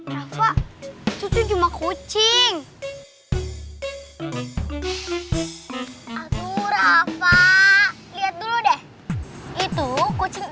hai rafa cucu cuma kucing aku rafa lihat dulu deh itu kucing